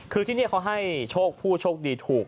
คือที่นี่เขาให้โชคผู้โชคดีถูก